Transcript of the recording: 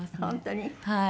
本当に？